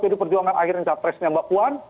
pdi perjuangan akhirnya capresnya mbak puan